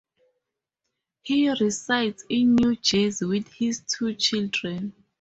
He resides in New Jersey with his two children.